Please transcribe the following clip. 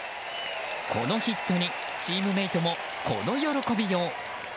このヒットにチームメイトもこの喜びよう。